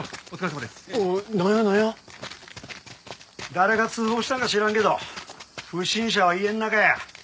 誰が通報したんか知らんけど不審者は家の中や。